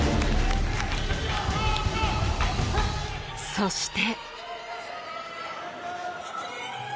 そして。